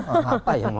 apa yang mau